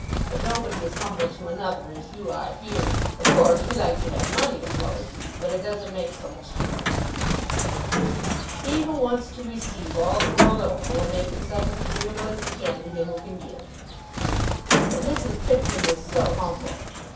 But nobody is humble to another, as you are here. Of course we like to have money as well as you do, but it doesn't make so much difference." "He who wants to receive, all the world over, will make himself as agreeable as he can to him who can give." "But Mrs. Pipkin was so humble.